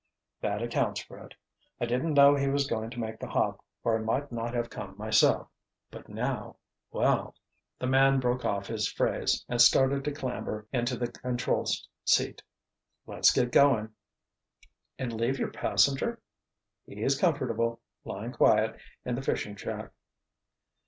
"That accounts for it. I didn't know he was going to make the hop or I might not have come myself—but now—well," the man broke off his phrase and started to clamber into the control seat, "let's get going." "And leave your passenger?" "He's comfortable, lying quiet in the fishing shack."